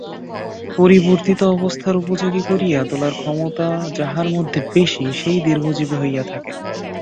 পরিবর্তিত অবস্থার উপযোগী করিয়া তোলার ক্ষমতা যাহার মধ্যে বেশী, সে-ই দীর্ঘজীবী হইয়া থাকে।